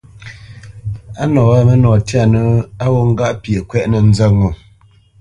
Á nǒ nɔ wâ mə́nɔ tyanə̄ á wǔt ŋgâʼ pyeʼ kwɛ́ʼnə nzə̂t ŋo.